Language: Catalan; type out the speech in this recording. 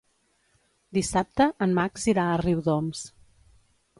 Dissabte en Max irà a Riudoms.